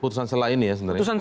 putusan selah ini ya